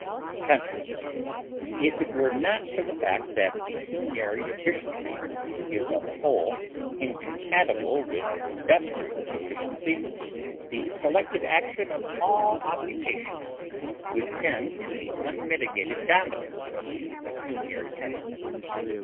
Consequently, if it were not for the fact that pecuniary efficiency is on the whole incompatible with industrial efficiency, the selective action of all occupations would tend to the unmitigated dominance of the pecuniary temperament.